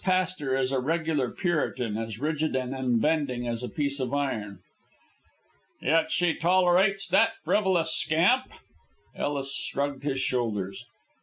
Pastor is a regular Puritan, as rigid and unbending as a piece of iron." "Yet she tolerates that frivolous scamp?" Ellis shrugged his shoulders.